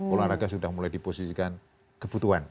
olahraga sudah mulai diposisikan kebutuhan